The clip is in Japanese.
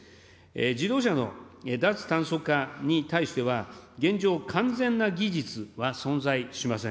自動車の脱炭素化に対しては、現状、完全な技術は存在しません。